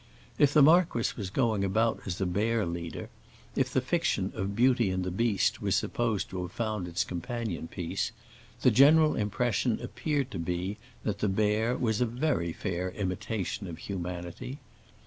If the marquis was going about as a bear leader, if the fiction of Beauty and the Beast was supposed to have found its companion piece, the general impression appeared to be that the bear was a very fair imitation of humanity.